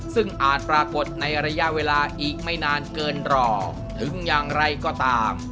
ซึ่งอาจปรากฏในระยะเวลาอีกไม่นานเกินรอถึงอย่างไรก็ตาม